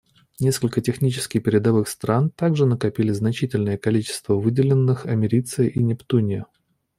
Несколько технически передовых стран также накопили значительные количества выделенных америция и нептуния.